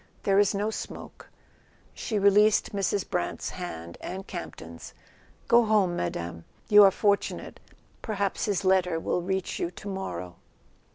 There is no smoke." She released Mrs. Brant's hand and Campton's. "Go home, Madame. You are for¬ tunate. Perhaps his letter will reach you tomorrow."